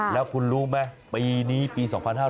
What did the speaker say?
แล้วคุณรู้ไหมปีนี้ปี๒๕๕๙